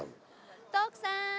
徳さーん！